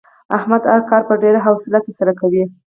احمد هر کار په ډېره حوصله ترسره کوي.